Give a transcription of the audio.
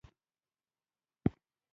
احمد ښار ته تللی وو؛ بېرته جارووت.